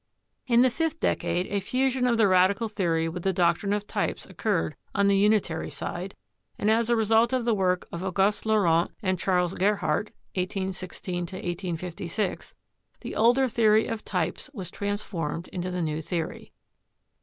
In the fifth decade a fusion of the radical theory with the doctrine of types occurred on the Unitary side, and as a result of the work of Auguste Laurent and Charles Ger hardt (1816 1856) the older theory of types was trans formed into the new theory.